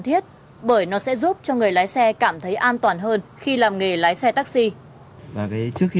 thiết bởi nó sẽ giúp cho người lái xe cảm thấy an toàn hơn khi làm nghề lái xe taxi trước khi